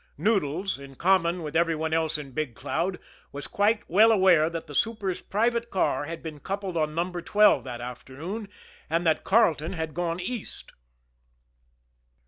Noodles, in common with every one else in Big Cloud, was quite well aware that the super's private car had been coupled on No. 12 that afternoon, and that Carleton had gone East.